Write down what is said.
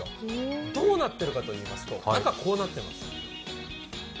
どうなっているかというと、中はこうなっています。